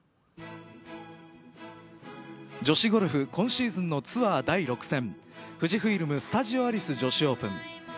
女子ゴルフ今シーズンのツアー第６戦富士フイルム・スタジオアリス女子オープン。